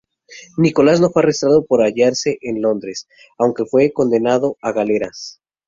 Nicolas no fue arrestado por hallarse en Londres, aunque fue condenado a galeras.